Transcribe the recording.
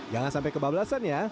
jangan sampai kebablasan ya